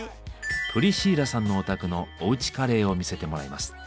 プリシーラさんのお宅のおうちカレーを見せてもらいます。